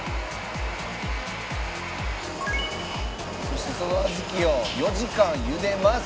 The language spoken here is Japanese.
そしてその小豆を４時間ゆでます。